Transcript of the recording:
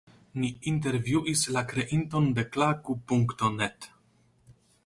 Ni intervjuis la kreinton de Klaku.net.